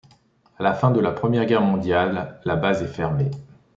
À la fin de la Première Guerre mondiale, la base est fermée.